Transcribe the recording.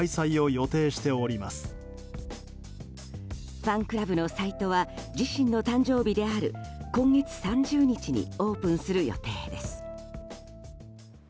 ファンクラブのサイトは自身の誕生日である今月３０日にオープンする予定です。